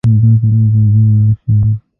یوه داسې لوبه جوړه شي.